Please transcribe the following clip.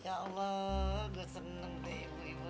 ya allah gue seneng ibu ibu